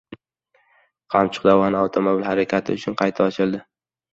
"Qamchiq" dovoni avtomobil harakati uchun qayta ochildi